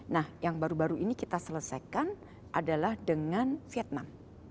nah yang baru baru ini kita selesaikan adalah dengan vietnam